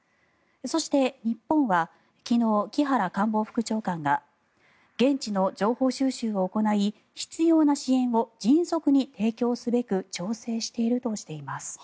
そして、日本は昨日、木原官房副長官が現地の情報収集を行い必要な支援を迅速に提供すべく調整しているとしています。